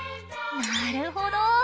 なるほど！